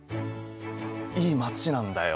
いい街なんだよ。